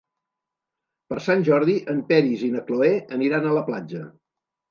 Per Sant Jordi en Peris i na Cloè aniran a la platja.